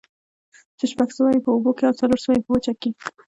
چې شپږ سوه ئې په اوبو كي او څلور سوه ئې په وچه كي